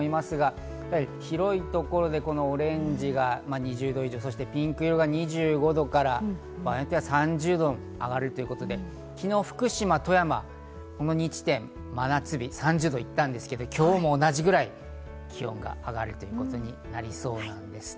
広いところでオレンジが２０度以上、ピンク色が２５度から場合によっては３０度まで上がるということで昨日福島、富山この２地点、真夏日、３０度にいったんですけど、今日も同じぐらい、気温が上がるということになりそうなんです。